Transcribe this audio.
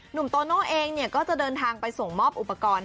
โตโน่เองก็จะเดินทางไปส่งมอบอุปกรณ์